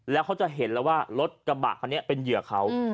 แล้วเขาจะเห็นแล้วว่ารถกระบะคันนี้เป็นเหยื่อเขา